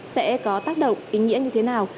sẽ có tác động ý nghĩa như thế nào